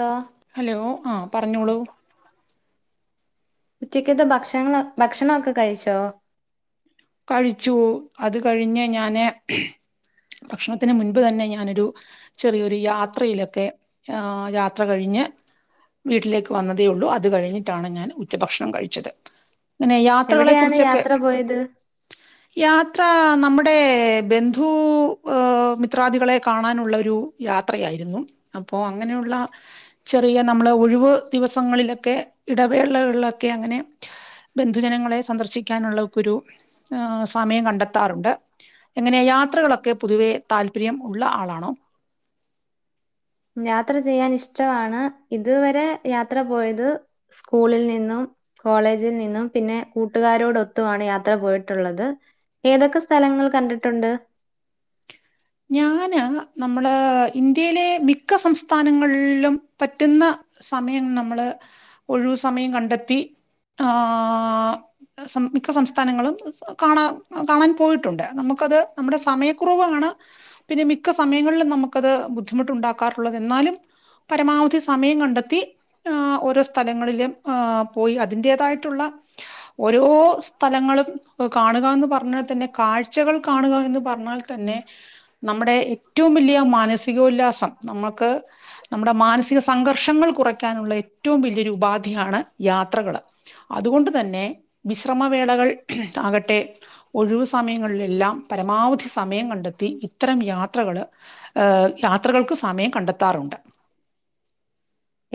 To hello ആ പറഞ്ഞോളൂ ഉച്ചക്ക്ത്തെ ഭക്ഷണ ഭക്ഷണൊക്കെ കഴിച്ചോ കഴിച്ചു അത് കഴിഞ്ഞ് ഞാന് ഭക്ഷണത്തിന് മുൻപ് തന്നെ ഞാനൊരു ചെറിയൊരു യാത്രയിലൊക്കെ യാത്ര കഴിഞ്ഞു ഞ്ഞ് വീട്ടിലേക്ക് വന്നതേ ഉള്ളൂ അത് കഴിഞ്ഞിട്ടാണ് ഞൻ ഉച്ചഭക്ഷണം കഴിച്ചത് അങ്ങനെ യാത്രകളെ എവിടെയാണ് കുറിച്ചൊക്കെ യാത്ര പോയത് യാ- യാത്ര നമ്മുടെ ബന്ധു മിത്രാദികളെ കാണാനുള്ള ഒരു യാത്രയായി യിരുന്നു അപ്പോ അങ്ങനെയുള്ള ചെറിയ നമ്മളെ ഒഴിവ് ദിവസങ്ങളിലൊക്കെ ഇടവേള ളിലൊക്കെ അങ്ങനെ ബന്ധുജനങ്ങളെ സന്ദർശിക്കാനുള്ളക്കൊരു ഏ സമയം കണ്ടെത്താറുണ്ട് എങ്ങനെ യാത്രകളൊക്കെ പൊതുവേ താല്പര്യം ഉള്ള ആളാണോ യാത്ര ചെയ്യാൻ ഇഷ്ടമാണ് ഇതുവരെ യാത്ര പോയത് സ്കൂളിൽ നിന്നും കോളേജിൽ നിന്നും പിന്നെ കൂട്ടുകാരോടൊത്തുമാണ് യാത്ര പോയിട്ടുള്ളത് ഏതൊക്കെ സ്ഥലങ്ങൾ കണ്ടിട്ടുണ്ട് ഞാന് നമ്മള് ഇന്ത്യയിലെ മിക്ക സംസ്ഥാനങ്ങളിലും പറ്റുന്ന സമയം നമ്മള് ഒഴിവ് സമയം കണ്ടെത്തി ആഹ് മിക്ക സംസ്ഥാനങ്ങളും കാണാ കാണാൻ പോയിട്ടുണ്ട് നമുക്ക് ക്കത് നമ്മുടെ സമയക്കുറവാണ് പിന്നെ മിക്ക സമയങ്ങളിലും നമുക്കത് ബു ദ്ധിമുട്ട്ണ്ടാക്കാറുള്ളത് എന്നാലും പരമാവധി സമയം കണ്ടെത്തി ആഹ് ഓരോ സ്ഥലങ്ങളിലേം ആ പോയി അതിന്റേതായിട്ടുള്ള ഓരോ സ്ഥലങ്ങളും കാണുകാന്ന് പറഞ്ഞാതന്നെ കാഴ്ചകൾ കാണുക എന്ന് പ പർണാൽ തന്നെ നമ്മടെ ഏറ്റവും വല്ലിയ മനസാ സിക ഉല്ലാസം നമ്മക്ക് നമ്മടെ മാനസിക സംഘർഷങ്ങൾ കുറയ്ക്കാനുള്ള ഏറ്റവും വെല്ല്യോരു ഉപാധി യാണ് യാത്രകള് അതുകൊണ്ട് തന്നെ വിശ്രമവേളകൾ ആകട്ടെ - ഒഴിവു സമയങ്ങളിലെല്ലാം പരമാവധി സമയം കണ്ടെത്തി ഇത്തരം യാത്രകള് ഏ- യാത്രകൾക്ക് സമയം കണ്ടെത്താറുണ്ട്.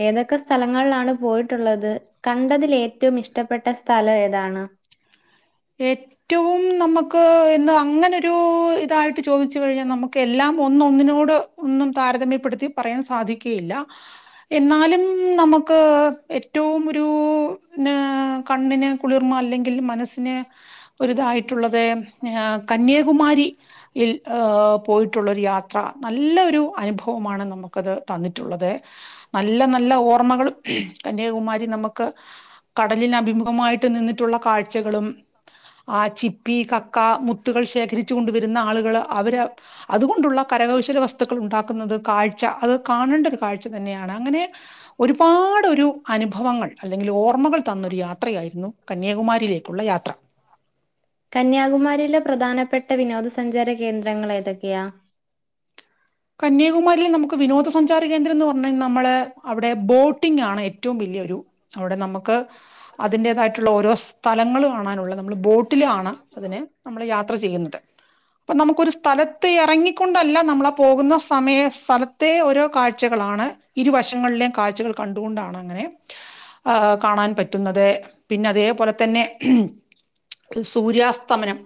ഏതൊക്കെ സ്ഥലങ്ങളിലാണ് പോയിട്ടുള്ളത് കണ്ടതിൽ ഏറ്റവും ഇഷ്ടപ്പെട്ട സ്ഥലം ഏതാണ് ഏറ്റവും നമക്ക് ഇന്ന് അങ്ങനൊരു ഇതായിട്ട് ചോദിച്ച് കഴിഞ്ഞാ നമക്കെല്ലാം ഒന്ന് ഒന്നിനോട് ഒന്നും താരതമ്മ്യപ്പെടുത്തി പറയാൻ സാധിക്കെയില്ല എന്നാലും ന- നമുക്ക് ഏറ്റവും ഒരു ന്ന് കണ്ണിന് കുളിർമ അല്ലെങ്കിൽ മനസ്സിന് ഒരുതായിട്ടുള്ളത് ആ കന്യ - കുമാരിയിൽ പോയിട്ടുള്ളൊരു യാത്ര നല്ല ഒരു അനുഭവമാണ് നമുക്കത് തന്നിട്ടുള്ളത് നല്ല നല്ല ഓർമ്മകളും കന്യാകുമാരി നമക്ക് കടലിന് അഭിമുഖമായിട്ട് നിന്നിട്ടുള്ള കാഴ്ചകളും ആ ചിപ്പി, കക്ക, മുത്തുകൾ ശേഖരി ച്ചുണ്ട് വരുന്ന ആളുകൾ അവര് അതുകൊണ്ടുള്ള കരകൗശല വസ്തുക്കൾണ്ടാക്കുന്നത് കാഴ്ച അത് കാ ണേണ്ടരു കാഴ്ച തന്നെയാണ് അങ്ങനെ ഒരുപാട് ഒരു അനുഭവങ്ങൾ അല്ലെങ്കിൽ ഓർമ്മകൾ തന്നൊരുയാ യാത്രയായിരുന്നു കന്യാകുമാരിയിലേക്കുള്ള യാത്ര. കന്യാകുമാരിയിലെ പ്രധാനപ്പെട്ട ട്ട വിനോദ സഞ്ചാര കേന്ദ്രങ്ങൾ ഏതൊക്കെയാ? കന്യാകുമാരിയെ നമക്ക് വിനോദ സഞ്ചാര കേന്ദ്രം എന്ന് പറഞ്ഞ കഴിഞ്ഞാ നമ്മള് അവിടെ ബോട്ടിംഗ് ആണ് ഏറ്റവും വെല്ല്യൊരു അവിടെ നമക്ക് അതിന്റേതായിട്ടുള്ള ഓരോ സ്ഥലങ്ങള് കാണാനുള്ള നമ്മള് ബോട്ടിലാണ് അതിനെ നമ്മള് യാ ത്ര ചെയ്യുന്നത് അപ്പ നമുക്കൊരു സ്ഥലത്ത് എറങ്ങിക്കൊണ്ടല്ല നമ്മള പോകുന്ന സമയ സ്ഥലത്തെ ഓരോ കാഴ്ചകളാണ് ഇരുവശങ്ങളിലെയും കാഴ്ചകൾ കണ്ടുകൊണ്ടാണ് അങ്ങനെ ആഹ് കാണാൻ പറ്റുന്നതെ പിന്നെ അതേപോലെ തന്നെ സൂര്യാസ് സ്തമനം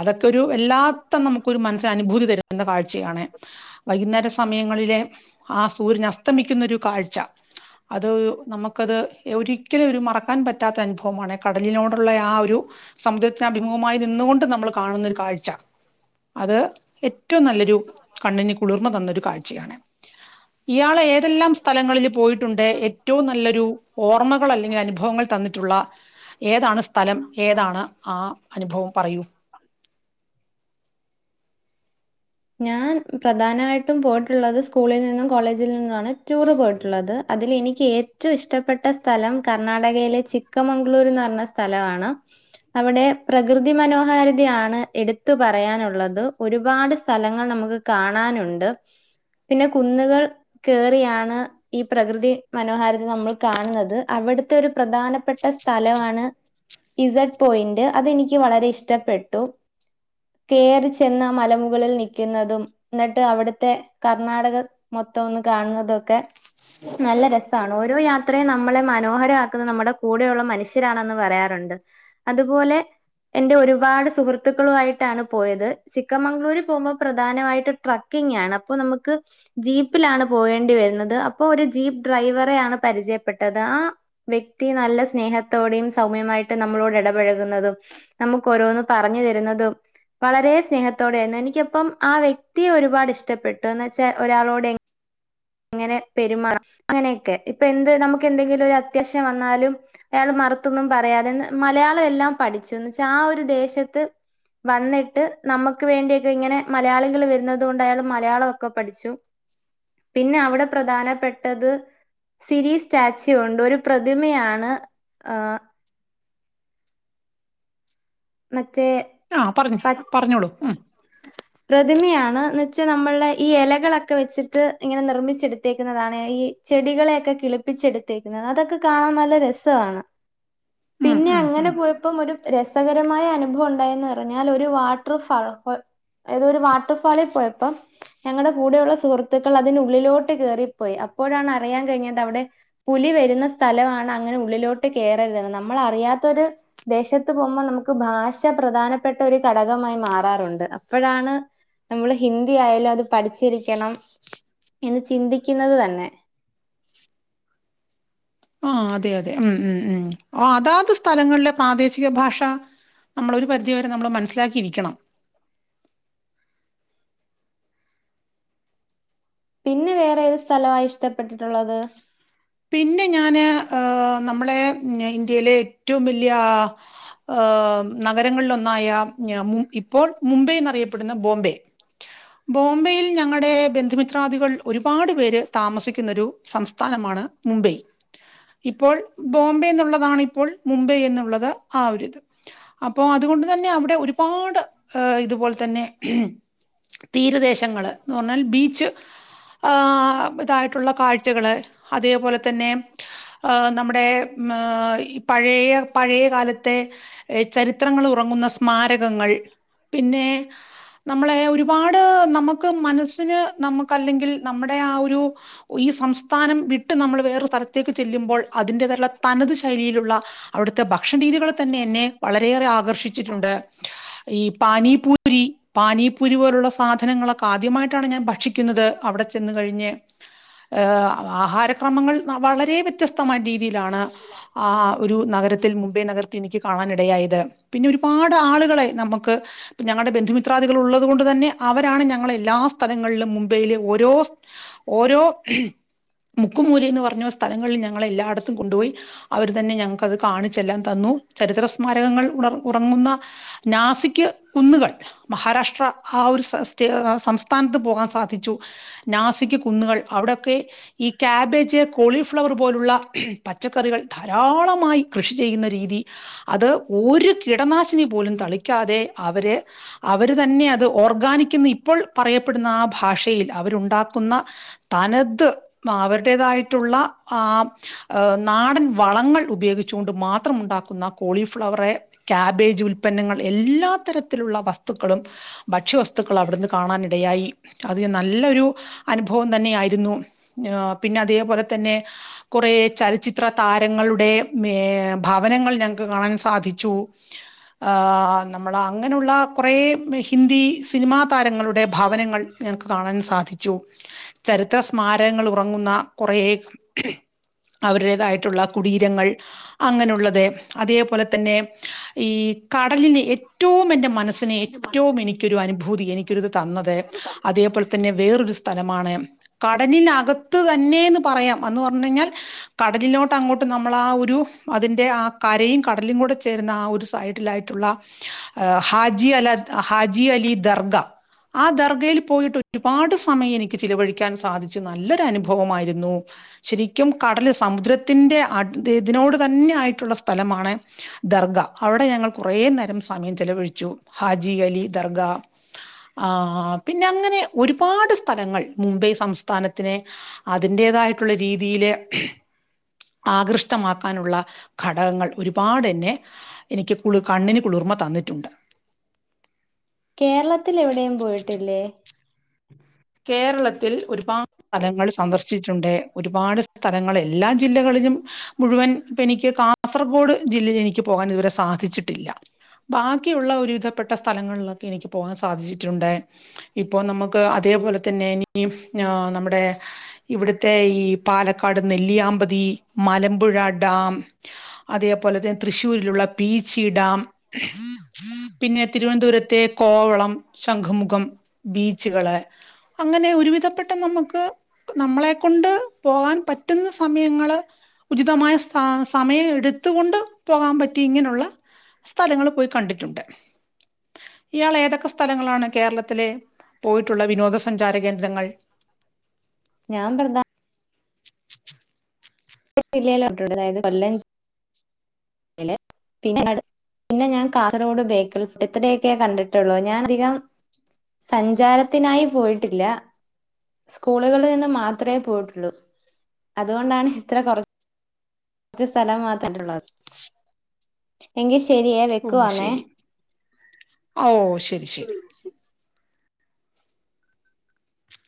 അതൊക്കൊരു വല്ലാത്ത നമുക്കൊരു മനസ്സിനനുഭൂതി തരുന്ന കാഴ്ചയാണ്. വൈകുന്നേര സമയങ്ങളിലെ ആ സൂര്യനസ്തമിക്കുന്നൊരു കാഴ്ച അത് നമുക്കത് ഒരിക്കലും ഒരു മറക്കാൻ പറ്റാത്ത അനുഭവമാണ് കടലിനോടുള്ള ആ ഒരു സമുദ്രത്തിനഭിമുഖമായി നി ന്നുകൊണ്ട് നമ്മള് കാണുന്നൊരു കാഴ്ച അത് ഏറ്റോം നല്ലൊരു കണ്ണിന് കുളിർമ തന്നൊരു കാഴ്ചയാണ്. ഇയാള് ഏതെല്ലാം സ്ഥലങ്ങളില് പോയിട്ടുണ്ട് ഏറ്റവും നല്ലൊരു ഓർമ്മകൾ അല്ലെങ്കിൽ അനുഭവങ്ങൾ തന്നിട്ടുള്ള ഏതാണ് സ്ഥലം ഏതാണ് ആ അനുഭവം പറയൂ. ഞാൻ പ്രധാനമായിട്ടും പോയിട്ടൊള്ളത് സ്കൂളിൽ നിന്നും കോളേജിൽ നിന്നുമാണ് ടൂറ് പോയിട്ടൊള്ളത്. അതിലെനിക്ക് ഏറ്റവും ഇഷ്ടപ്പെട്ട സ്ഥലം കർണാടകയിലെ ചിക്കമംഗ്ളൂർന്ന് പറഞ്ഞ സ്ഥലവാണ്. അവിടെ പ്രകൃതി മനോഹാരിതയാണ് എടുത്തു പറയാനൊള്ളത് ഒരുപാട് സ്ഥലങ്ങൾ നമുക്ക് കാണാനോണ്ട്. പിന്നെ കുന്നുകൾ കേറിയാണ് ഈ പ്രകൃതി മനോഹാരിത നമ്മൾ കാണുന്നത് അ വടുത്തൊരു പ്രധാനപ്പെട്ട സ്ഥലവാണ് ഇസെഡ് പോയിന്റ് അതെനിക്ക് വളരെ ഇഷ്ട്ടപ്പെട്ടു. കേറി ചെന്നാമലമു മുകളിൽ നിക്കുന്നതും ന്നിട്ട് അവിടുത്തെ കർണാടക മൊത്തം ഒന്ന് കാണുന്നതൊക്കെ നല്ല രസാണ് ഓരോ യാ ത്രെ നമ്മളെ മനോഹരാക്കുന്നത് നമ്മടെ കൂടെയുള്ള മനുഷ്യരാണെന്ന് പറയാറോണ്ട് അതുപോലെ എന്റെ ഒരുപാട് സുഹൃത്തുക്കളുവായിട്ടാണ് പോയത് ചിക്കമംഗളൂര് പോമ്പ പ്രധാനായിട്ട് ട്രക്കിങ്ങാണ് അപ്പ നമക്ക് ജീപ്പിലാണ് പോകേണ്ടി വരുന്നത് അപ്പോര് ജീപ്പ് ഡ്രൈവറെ ആണ് പരിചയപ്പെട്ടത് ആ വ്യക്തി നല്ല സ്നേഹത്തോടെ സൗമ്യമായി നമ്മളോടെടപഴുകുന്നതും നമുക്ക ഓരോന്നന്ന് പറഞ്ഞു തരുന്നതും വളരെ സ്നേഹത്തോടെയാ എനി ക്കപ്പം ആ വ്യക്തിയെ ഒരുപാട് ഇഷ്ടപ്പെട്ടൂന്ന് വെച്ചാൽ ഒരാളോട് എ ങ്ങനെ പെരുമാറ അങ്ങനെ യൊക്കെ ഇപ്പൊ എന്ത് നമുക്ക് എന്തെങ്കിലും അത്യാവശ്യം വന്നാലും അയാൾ മറുത്തൊന്നും പറയാതെ മലയാളം എല്ലാം പഠിച്ചുന്ന് ച്ചാ ആ ഒരു ദേശത്ത് വന്നിട്ട് നമ്മുക്ക് വേണ്ടിയൊക്കെ ഇങ്ങനെ മലയാളികൾ വരുന്നത് കൊണ്ടയാള് മലയാളമൊക്കെ പഠിച്ചു പിന്നെ അവിടെ പ്രധാനപ്പെട്ടത് സിരിസ്റ്റാച്യു ഉണ്ട് ഒരു പ്രതിമയാണ് മറ്റേ ആ പറഞ്ഞു പച് പറഞ്ഞോളൂ ഉം പ്രതിമയാണ് ഇ ച്ച നമ്മളുടെ ഈ എലകളൊക്കെ വെച്ചിട്ട് ഇങ്ങനെ നിർമ്മിച്ച എടുത്തേക്കുന്നതാണ് ഈ ചെടികളെയൊക്കെ കിളിപ്പി ച്ചെടുത്തേുന്നത് അതൊക്കെ കാണാൻ നല്ല രസമാണ് ഉം പിന്നെ ഉം അങ്ങനെ ഉം പോയപ്പം ഒരു രസ കരമായ അനുഭവം ഉണ്ടായെന്ന് പറഞ്ഞാൽ ഒരു വാട്ടർ ഫാൾ [unintelligible] ഏതൊ ഒരു വാട്ടർഫാളിൽ പോയപ്പം ഞങ്ങളുടെ കൂടെയുള്ള സുഹൃത്തുക്കൾ അതിനുള്ളിലോട്ട് കേറിപ്പോയി അ പ്പോഴാണ് അറിയാൻ കഴിഞ്ഞത് അവിടെ പുലി വരുന്ന സ്ഥലവാണ് അങ്ങനെ ഉള്ളിലോട്ട് കേറരുത് എന്ന് നമ്മളറിയാ ത്തൊര് ദേശത്ത് പോകുമ്പോൾ നമുക്ക് ഭാഷ പ്രധാനപ്പെട്ട ഒരു ഘടകമായി മാറാറുണ്ട് അപ്പഴാണ് നമ്മള് ഹിന്ദി ആയാലും അത് പഠിച്ചിരിക്കണം എന്ന് ചിന്തിക്കുന്നത് തന്നെ [unintelligible] ആ അതെ അതെ ഉം ഉം ഉം അ അതാത് സ്ഥലങ്ങളിലെ പ്രാദേശിക ഭാഷ നമ്മൾ ഒരു പരിധി വരെ നമ്മള് മനസ്സിലാക്കിയിരിക്കണം [unintelligible] പിന്നെ വേറെ ഏത് സ്ഥലവാ ഇഷ്ടപ്പെട്ടിട്ടുള്ളത് പിന്നെ ഞാന് ഏഹ് നമ്മളെ ഇന്ത്യയിലെ ഏറ്റവും വലിയ ഹ് ആ നഗരങ്ങളിലൊന്നായ ഞമും ഇപ്പോൾ മുംബൈ എന്നറിയപ്പെടുന്ന ബോംബെ ബോംബെയിൽ ഞങ്ങളുടെ ബന്ധുമിത്രാദികൾ ഒരുപാട് പേര് താമസിക്കുന്നൊരു സംസ്ഥാനമാണ് മുംബൈ ഇപ്പോൾ ബോംബെ എന്നുള്ളതാണ് ഇപ്പോൾ മുംബൈ എന്നുള്ളത് ആ ഒരിത് അപ്പോ അത് അതുകൊണ്ട് തന്നെ അവിടെ ഒരുപാട് ഇതുപോലെ തന്നെ തീരദേശങ്ങള് എന്ന് പറഞ്ഞാൽ ബീച്ച് ആ ഇതായിട്ടുള്ള കാഴ്ചകള് അതേപോലെ തന്നെ ആ നമ്മുടെ ആ ഹ് പഴയ പഴയ കാലത്തെ ചരിത്രങ്ങൾ ഉറ ങ്ങുന്ന സ്മാരകങ്ങൾ പിന്നെ നമ്മളെ ഒരുപാട് നമുക്ക് മനസ്സിന് നമുക്ക് അല്ലെങ്കിൽ നമ്മുടെ ആ ഒരു ഈ സം സ്ഥാനം വിട്ട് നമ്മൾ വേറൊരു സ്ഥലത്തേക്ക് ചെല്ലുമ്പോൾ അതിന്റേതുള്ള തനത് ശൈലിയിലുള്ള അവിടുത്തെ ഭക്ഷണ രീതികൾ തന്നെ എന്നെ വളരെയേറെ ആകർഷിച്ചിട്ടുണ്ട് ഈ പാനീപൂരി പാനീപൂരി പോലുള്ള സാധന ങ്ങളൊക്കെ ആദ്യമായിട്ടാണ് ഞാൻ ഭക്ഷിക്കുന്നത് അവിടെ ചെന്ന് കഴിഞ്. ആഹാര ങ്ങൾ വളരെ വ്യത്യസ്തമായ രീതിയിലാണ് ആ ഒരു നഗരത്തിൽ മുംബൈ നഗരത്തി എനിക്ക് കാണ നിടയായത് പിന്നെ ഒരു പാട് ആളുകളെ നമുക്ക് ഞങ്ങളുടെ ബന്ധുമിത്രാദികൾ ഉള്ളത് കൊണ്ട് തന്നെ അവരാണ് ഞങ്ങളെ എല്ലാ സ്ഥലങ് ങ്ങൾലും മുംബൈയിലെ ഓരോ ഓരോ [unintelligible] മുക്കും മൂലയും എന്ന് പറഞ്ഞ സ്ഥലങ്ങളിൽ ഞങ്ങളെ എല്ലാടത്തും കൊണ്ടുപോയി അവർ തന്നെ ഞങ്ങൾക്കത് കാണിച്ചെല്ലാം തന്നു ചരിത്ര സ്മാരകങ്ങൾ ഉണ ഉറങ്ങുന്ന നാസിക് കുന്നുകൾ മഹാരാഷ്ട്ര ആ ഒരു സംസ്ഥാനത്ത് പോകാൻ സാധിച്ചു നാസി ക്ക് കുന്നുകൾ അവിടൊക്കെ ഈ ക്യാബേജ് കോളിഫ്ലവർ പോലുള്ള പച്ചക്കറികൾ ധാരാളമായി കൃഷി ചെയ്യുന്ന രീതി അത് ഒരു കീടനാശിനി പോലും തളിക്കാതെ അവര് അവര് തന്നെ അത് ഓർഗാനി ഇപ്പോൾ പറയപ്പെടുന്ന ആ ഭാഷയിൽ അവരുണ്ടാക്കുന്ന തനത് അവരുടേതായിട്ടുള്ള ആ നാടൻ വളങ്ങൾ ഉപയോഗിച്ചുകൊണ്ട് മാത്രം ഉണ്ടാക്കുന്ന കോളിഫ്ലവർ കാബേജ് ഉൽപ്പന്നങ്ങൾ എല്ലാ തരത്തിലുള്ള വസ്തുക്കളും ഭക്ഷ്യവസ്തു വസ്ത്തുക്കൾ അവിടുന്ന് കാണാനിടയായി അത് നല്ലൊരു അനുഭവം തന്നെ ആയിരുന്നു പിന്നെ അതേപോലെ തന്നെ കുറെ ചലച്ചിത്ര താരങ്ങളുടെ ഭവന- ങ്ങൾ ഞങ്ങൾക്ക് കാണാൻ സാധിച്ചു. ആ നമ്മൾ അങ്ങനെയുള്ള കുറെ ഹിന്ദി- ഈ സിനിമാ താരങ്ങളുടെ ഭവനങ്ങൾ ഞങ്ങൾക്ക് കാണാൻ സാധിച്ചു. ചരിത്ര സ്മാരക മരങ്ങൾ ഉറങ്ങുന്ന കുറേ.. അവരുടേതായിട്ടുള്ള കുടീരങ്ങൾ അങ്ങനെയുള്ളത് അതേപോലെ തന്നെ ഈ.. - കടലിനെ ഏറ്റവും എന്റെ മനസ്സിനെ ഏറ്റവും എനിക്കൊരു അനുഭൂതി എനിക്കൊരുത് തന്നത്- അതേപോലെ തന്നെ വേറൊരു സ്ഥലമാണ് കാ- കടലിനകത്ത് തന്നെന്ന് പറയാം എന്ന് പറഞ്ഞ കഴിഞ്ഞാൽ കടലിലോട്ട് അട്ട് അങ്ങോട്ട് നമ്മൾ ആ ഒരു അതിന്റെ ആ കരയും കടലും കൂടെ ചേരുന്ന ആ ഒരു സൈഡിലായിട്ടുള്ള- അഹ ഹാജി അല ഹാജി അലി ദർഗ ആ ദർഗയിൽ പോയിട്ട് ഒരുപാട് സമയം എനിക്ക് ചിലവഴിക്കാൻ സാധിച്ചു. നല്ലൊരു അനുഭവമായിരുന്നു ശരിക്കും കടൽ സമുദ്രത്തിന്റെ- ഇത് ഇതിനോട് തന്നെ ആയിട്ടുള്ള സ്ഥലമാണ് ദർഗ. അവിടെ ഞങ്ങൾ കുറെേ നേരം സമയം ചെലവഴിച്ചു ച്ചു ഹാജി അലി ദർഗ ആ് പിന്നെ അങ്ങനെ ഒരുപാട് സ്ഥലങ്ങൾ മുംബൈ സംസ്ഥ മാനത്തിനെ അതിന്റേതായിട്ടുള്ള രീതിയില് ആകൃഷ്ടമാക്കാനുള്ള ഘടകങ്ങൾ ഒരുപാട് തന്നെ എനിക്ക് കുളി കണ്ണിന് കുളിർമ്മ തന്നു. വന്നിട്ടുണ്ട്. കേരളത്തിലെവിടെയും പോയിട്ടില്ലേ? കേരളത്തിൽ ഒരുപാട് സ്ഥലങ്ങൾ സന്ദർശിച്ചിട്ടുണ്ട് ഒരുപാട് സ്ഥലങ്ങൾ എല്ലാ ജില്ലകളിലും- മുഴുവൻ ഇപ്പ എനിക്ക് കാസർഗോഡ് ജില്ലയിൽ എനിക്ക് പോകാൻ ഇതുവരെ സാധിച്ചിട്ടില്ല. ബാക്കിയുള്ള ഒരുവിധപ്പെട്ട സ്ഥലങ്ങളിലൊക്കെ എനിക്ക് പോകാൻ സാധിച്ചിട്ടുണ്ട് ഇപ്പൊ നമുക്ക് അത് - അതേപോലെന്നെ എനി ന്നെയും ആ നമ്മുടെ ഇവിടുത്തെ ഈ പാലക്കാട് നെല്ലിയാമ്പതി മലമ്പുഴ ഴ ഡാം അതേപോലെ തന്നെ തൃശ്ശൂരിലുള്ള ബീച്ചിഡാം പിന്നെ തിരുവനന്തപുരത്തെ കോവളം ശംഖുമുഖം ബീച്ചുകള് അങ്ങനെ ഒരുവിധപ്പെട്ട നമുക്ക് നമ്മളെ കൊണ്ട് പോകാൻ പറ്റുന്ന സമയങ്ങള് ഉചിതമായ സ സമയം എടുത്തുകൊണ്ട് പോകാൻ പറ്റി ഇങ്ങനെയുള്ള സ്ഥലങ്ങള് പോയി കണ്ടിട്ടുണ്ട്. ഇയാൾ ഏതൊക്കെ സ്ഥലങ്ങളാണ് കേരളത്തിലെ പോയിട്ടുള്ള വിനോദസഞ്ചാര കേന്ദ്രങ്ങ- ഞാൻ പ്രധാ- ജില്ലയില അതായത് കൊല്ലം- ജില്ലയില് പിന്നെ പിന്നെ ഞാൻ കാസർഗോഡ ബേക്കൽ ഫുഡ് ഇത്രയൊക്കെ കണ്ടിട്ടുള്ളൂ ഞാൻ അധികം- സഞ്ചാരത്തിനായി പോയിട്ടില്ല. സ്കൂളുകളിൽ നിന്ന് മാത്രെ പോയിട്ടുള്ളൂ. അതുകൊണ്ടാണ് ഇത്ര കൊറ - കുറ സ്ഥലം മാത്രുള്ളത്. എങ്കിൽ ശരിയേ ഓ വെക്കുവാന്നേ. ശരി ഓ ഉം ശരി